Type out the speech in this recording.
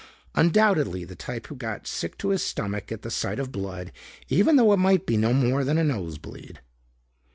Undoubtedly the type who got sick to his stomach at the sight of blood even though it might be no more than a nose bleed.